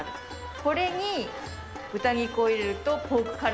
これに豚肉を入れるとポークカレ